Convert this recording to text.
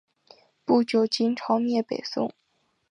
不久金朝灭北宋。